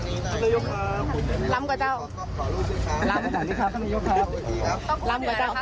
ลำขนาดนี้ครับรายล้มครับ